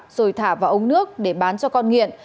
rồi thả vào ống nước để bán cho con nghiện